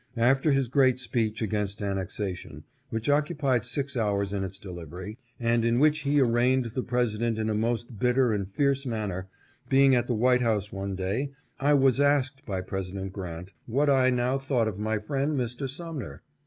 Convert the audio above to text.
After his great speech against annexation, which occupied six hours in its delivery, and in which he arraigned the President in a most bitter and fierce manner, being at the White House one day, I was asked by President Grant what I " now thought of my friend, Mr. Sumner